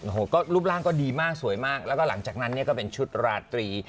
โอ้โหก็รูปร่างก็ดีมากสวยมากแล้วก็หลังจากนั้นเนี่ยก็เป็นชุดราตรี